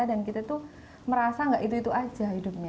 dan kita tuh merasa nggak itu itu aja hidupnya